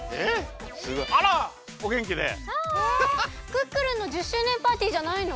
クックルンの１０周年パーティーじゃないの！？